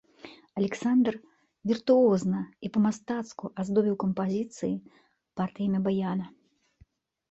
Аляксандр віртуозна і па-мастацку аздобіў кампазіцыі партыямі баяна.